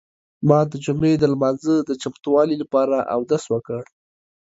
ما د جمعې د لمانځه د چمتووالي لپاره اودس وکړ.